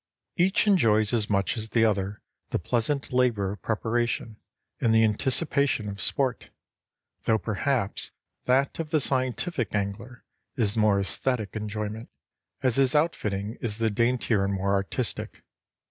Each enjoys as much as the other the pleasant labor of preparation and the anticipation of sport, though perhaps that of the scientific angler is more æsthetic enjoyment, as his outfitting is the daintier and more artistic.